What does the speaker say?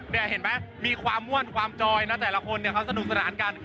นี่เห็นไหมมีความม่วนความจอยนะแต่ละคนเนี่ยเขาสนุกสนานกัน